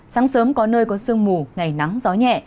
sáng sớm có nơi có sương mù ngày nắng gió nhẹ